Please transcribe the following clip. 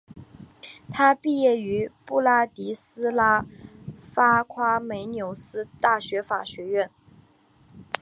他毕业于布拉迪斯拉发夸美纽斯大学法学院。